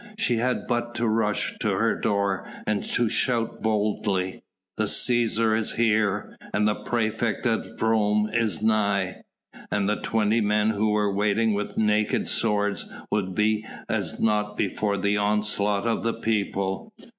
She had but to rush to her door and to shout boldly: "The Cæsar is here, and the praefect of Rome is nigh!" And the twenty men who were waiting with naked swords would be as naught before the onslaught of the people.